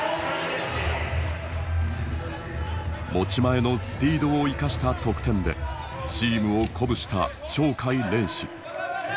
持ち前のスピードを生かした得点でチームを鼓舞した鳥海連志。